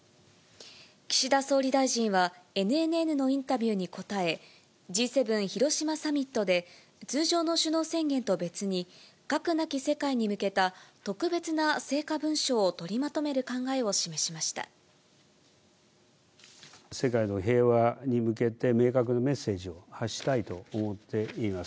岸田総理大臣は、ＮＮＮのインタビューに答え、Ｇ７広島サミットで通常の首脳宣言と別に、核なき世界に向けた特別な成果文書を取りまとめる考えを示しまし世界の平和に向けて、明確なメッセージを発したいと思っています。